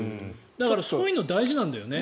だから、そういうの大事なんだよね。